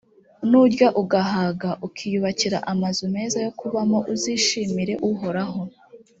nurya ugahaga, ukiyubakira amazu meza yo kubamo uzishimire uhoraho,